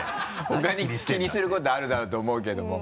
ほかに気にすることあるだろと思うけども。